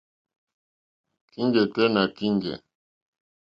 Kíŋgɛ̀ tɛ́ nà kíŋgɛ̀.